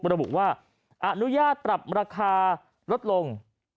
ระบุว่าอนุญาตปรับราคาลดลง